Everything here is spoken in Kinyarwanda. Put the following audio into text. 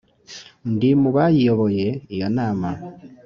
ndi mu bayiyoboye iyo nama.